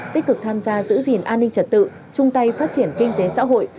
tích cực tham gia giữ gìn an ninh trật tự chung tay phát triển kinh tế xã hội